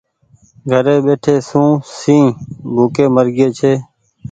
گھري ٻيٺي سون شنهن ڀوُڪي مرگيئي ڇي۔